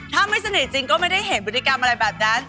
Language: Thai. ถ้าไม่สนิทจริงก็ไม่ได้เห็นพฤติกรรมอะไรแบบนั้น